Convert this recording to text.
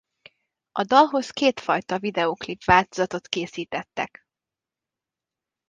A dalhoz két fajta videóklip változatot készítettek.